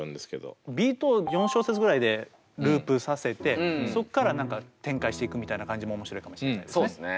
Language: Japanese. ビートを４小節ぐらいでループさせてそこから何か展開していくみたいな感じも面白いかもしれないですね。